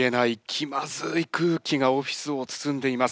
気まずい空気がオフィスを包んでいます。